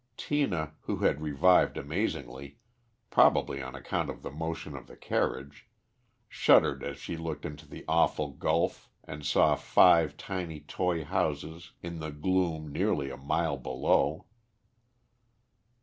Tina, who had revived amazingly, probably on account of the motion of the carriage, shuddered as she looked into the awful gulf and saw five tiny toy houses in the gloom nearly a mile below.